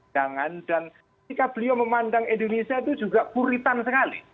dan jika beliau memandang indonesia itu juga puritan sekali